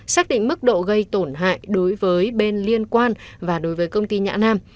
xác định mức độ gây tổn hại đối với bên liên quan và đối với công ty nhã nam